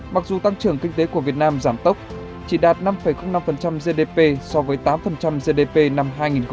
mặc dù tăng trưởng kinh tế của việt nam giảm tốc chỉ đạt năm năm gdp so với tám gdp năm hai nghìn hai mươi ba